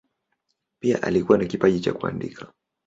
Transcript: Pia alikuwa na kipaji cha kuandika.